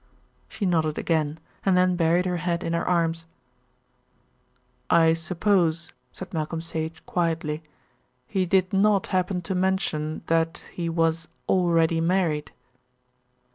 She nodded again, and then buried her head in her arms. "I suppose," said Malcolm Sage quietly, "he did not happen to mention that he was already married?"